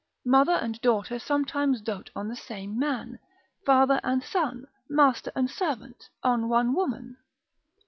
Mother and daughter sometimes dote on the same man, father and son, master and servant, on one woman.